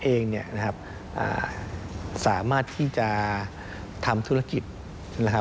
เองสามารถที่จะทำธุรกิจ